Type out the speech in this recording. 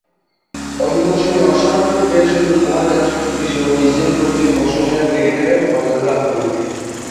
ঐ মৌসুমে অসামান্য ক্রীড়াশৈলী উপহার দেয়ার স্বীকৃতিস্বরূপ উইজডেন কর্তৃক বর্ষসেরা ক্রিকেটারের মর্যাদা লাভ করেন তিনি।